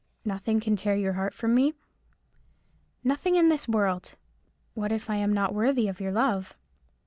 "Nothing can tear your heart from me?" "Nothing in this world." "What if I am not worthy of your love?"